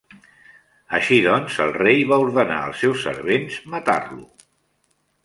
Així doncs el rei va ordenar els seus servents matar-lo.